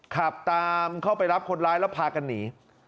ขับตามเข้าไปรับคนร้ายแล้วพากันหนี